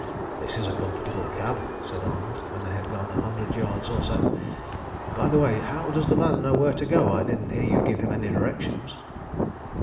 "This is a comfortable cab," said Arnold, when they had gone a hundred yards or so. "By the way, how does the man know where to go? I didn't hear you give him any directions."